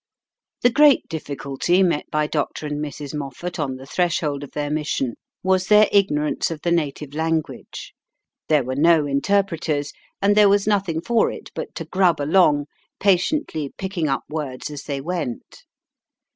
The great difficulty met by Dr. and Mrs. Moffat on the threshold of their mission was their ignorance of the native language. There were no interpreters, and there was nothing for it but to grub along, patiently picking up words as they went.